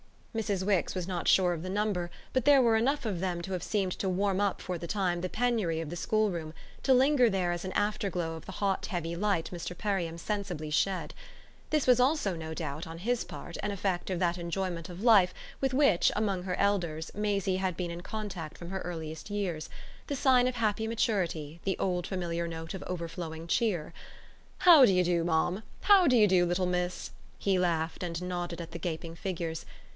Mrs. Wix was not sure of the number, but there were enough of them to have seemed to warm up for the time the penury of the schoolroom to linger there as an afterglow of the hot heavy light Mr. Perriam sensibly shed. This was also, no doubt, on his part, an effect of that enjoyment of life with which, among her elders, Maisie had been in contact from her earliest years the sign of happy maturity, the old familiar note of overflowing cheer. "How d'ye do, ma'am? How d'ye do, little miss?" he laughed and nodded at the gaping figures.